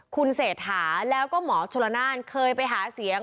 คุณเศรษฐาแล้วก็หมอชลนานเคยไปหาเสียง